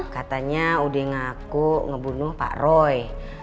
katanya udah ngaku ngebunuh pak roy